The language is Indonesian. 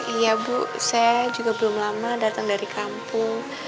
iya bu saya juga belum lama datang dari kampung